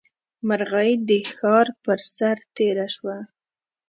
مرغۍ د ښار پر سر تېره شوه.